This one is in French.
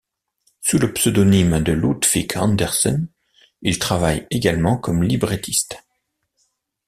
Sous le pseudonyme de Ludwig Andersen, il travaille également comme librettiste.